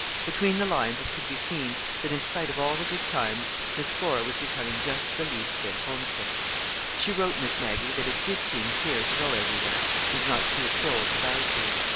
Between the lines it could be seen that in spite of all the good times, Miss Flora was becoming just the least bit homesick. She wrote Miss Maggie that it did seem queer to go everywhere, and not see a soul to bow to.